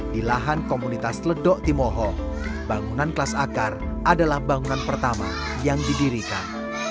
di lahan komunitas ledok timoho bangunan kelas akar adalah bangunan pertama yang didirikan